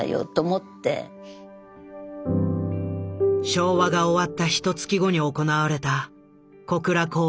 昭和が終わったひと月後に行われた小倉公演。